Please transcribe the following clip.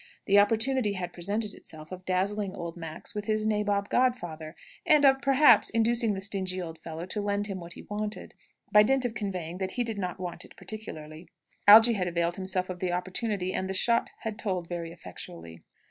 The opportunity had presented itself, of dazzling old Max with his nabob godfather, and of perhaps inducing the stingy old fellow to lend him what he wanted, by dint of conveying that he did not want it particularly. Algy had availed himself of the opportunity, and the shot had told very effectually.